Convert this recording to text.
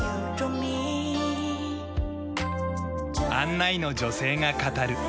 案内の女性が語る。